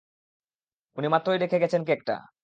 উনি মাত্রই রেখে গেছেন কেকটা।